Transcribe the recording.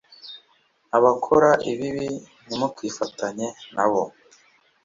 abakora ibibi ntimukifatanye na bo.